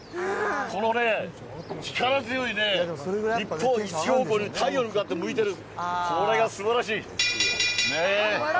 このね、力強いね、一本、一方向に太陽に向かって咲いてる、これがすばらしい。